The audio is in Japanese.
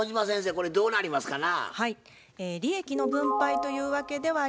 これどうなりますかな？